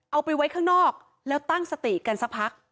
เอาไปไว้ข้างนอกแล้วตั้งสติกันสักพัก